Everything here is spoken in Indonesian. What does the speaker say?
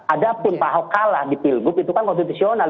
ada pun paham kalah di pilgub itu kan konstitusional